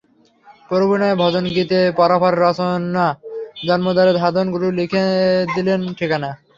প্রভুর নামে ভজন গীতে পরপারের রচনা, জন্ম দ্বারে সাধন গুরু লিখে দিলেন ঠিকানা।